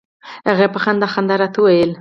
هغې په خندا خندا راته وویل.